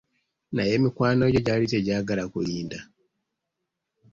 Naye mikwano gye gyali tegyagala kulinda.